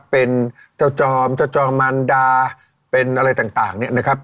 เป็นเจ้าจอมเจ้าจอมมันดาเป็นอะไรต่างเนี่ยนะครับ